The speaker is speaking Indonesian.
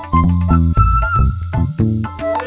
sekarang kamu ora